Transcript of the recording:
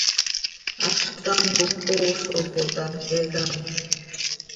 ¡Haxz ctam cop poozoj oo ta, he camjc!